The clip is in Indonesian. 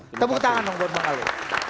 selamat malam buatmah ali